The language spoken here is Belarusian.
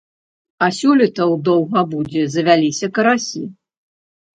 А сёлета у даўгабудзе завяліся карасі.